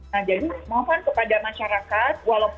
nah jadi mohon kepada masyarakat